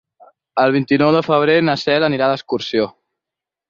El vint-i-nou de febrer na Cel anirà d'excursió.